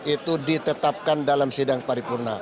itu ditetapkan dalam sidang paripurna